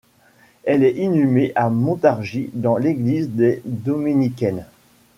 Elle est inhumée à Montargis, dans l'église des dominicaines.